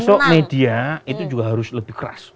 besok media itu juga harus lebih keras